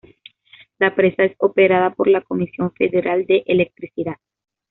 La presa es operada por la Comisión Federal de Electricidad.